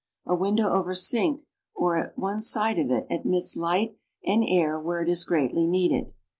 A window over sink or at one side of it admits light and air where it is greatly needed.